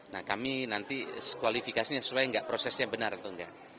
nah kami nanti kualifikasinya sesuai nggak prosesnya benar atau enggak